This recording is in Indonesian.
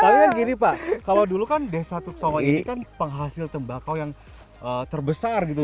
tapi kan gini pak kalau dulu kan desa tuksowa ini kan penghasil tembakau yang terbesar gitu